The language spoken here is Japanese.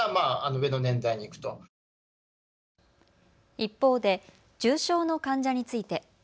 一方で重症の患者について。